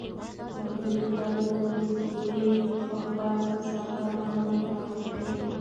کبابي خپلې تورې شوې ګوتې په خپله صافه باندې پاکې کړې.